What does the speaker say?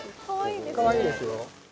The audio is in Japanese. かわいいですね。